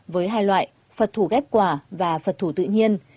với hai loại phật thủ ghép quả và phật thủ tự nhiên